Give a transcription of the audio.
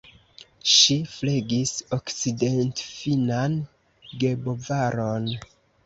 Ŝi flegis okcidentfinnan gebovaron.